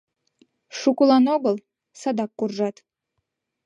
«Шукылан огыл, садак куржат».